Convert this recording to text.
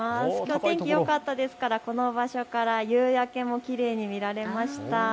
天気よかったですから夕焼け、きれいに見られました。